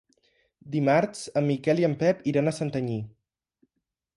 Dimarts en Miquel i en Pep iran a Santanyí.